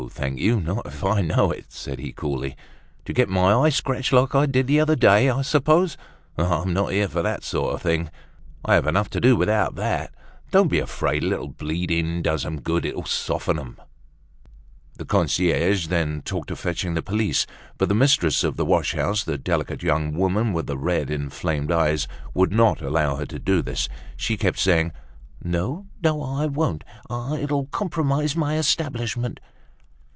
thank you, not if I know it," said he coolly. "To get my eye scratched like I did the other day, I suppose! I'm not here for that sort of thing; I have enough to do without that. Don't be afraid, a little bleeding does 'em good; it'll soften 'em." The concierge then talked of fetching the police; but the mistress of the wash house, the delicate young woman with the red, inflamed eyes, would not allow her to do this. She kept saying: "No, no, I won't; it'll compromise my establishment."